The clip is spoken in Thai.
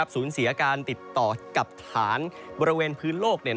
สูญเสียการติดต่อกับฐานบริเวณพื้นโลก